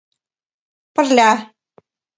Пырля: